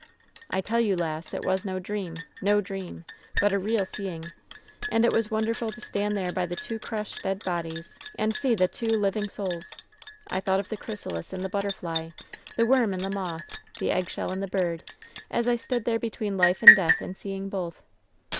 "I tell you, lass, it was no dream, no dream I but a real seeing. And it was wonderful to stand there by the two crushed, dead bodies and see the two living souls. I thought of the chrysalis and the butterfly, the LOVERS BITTEREST CUP «85 worm and the moth, the eggshell and the bird, as I stood there between life and death, and seeing both.